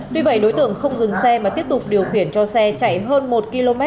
tuy vậy đối tượng không dừng xe mà tiếp tục điều khiển cho xe chạy hơn một km